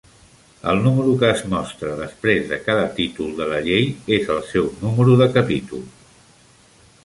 El número que es mostra després de cada títol de la llei és el seu número de capítol.